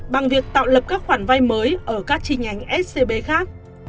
bằng việc tạo lập các khoản vay mới ở các chi nhánh scb khác